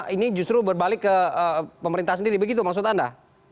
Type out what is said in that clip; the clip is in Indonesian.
ini justru berbalik ke pemerintah sendiri begitu maksud anda